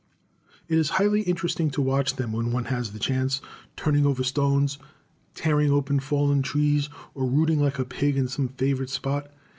It is highly interesting to watch them, when one has the chance, turning over stones, tearing open fallen trees, or rooting like a pig in some favorite spot.